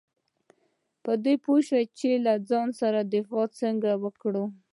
په دې پوه شه چې له ځانه دفاع څنګه وکړم .